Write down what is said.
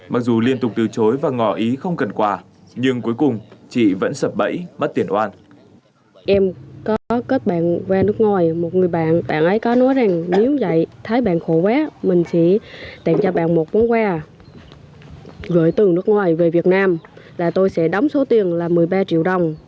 mặc dù liên tục từ chối và ngỏ ý không cần quà nhưng cuối cùng chị vẫn sập bẫy mất tiền oan